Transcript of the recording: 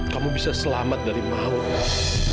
kamu bisa selamat dari mau